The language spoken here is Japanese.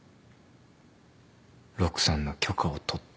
陸さんの許可を取った。